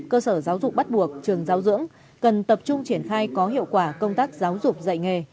cơ sở giáo dục bắt buộc trường giáo dưỡng cần tập trung triển khai có hiệu quả công tác giáo dục dạy nghề